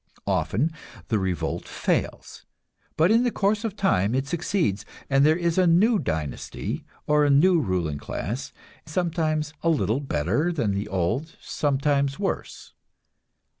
Often the revolt fails, but in the course of time it succeeds, and there is a new dynasty, or a new ruling class, sometimes a little better than the old, sometimes worse.